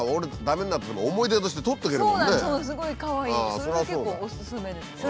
それが結構おすすめです。